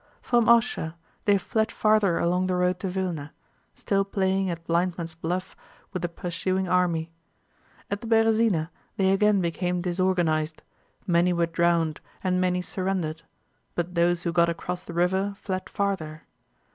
From Orshá they fled farther along the road to Vílna, still playing at blindman's buff with the pursuing army. At the Berëzina they again became disorganized, many were drowned and many surrendered, but those who got across the river fled farther.